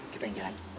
kita yang jalan